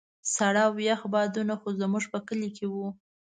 ساړه او يخ بادونه خو زموږ په کلي کې وو.